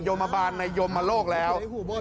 มบาลในยมโลกแล้ว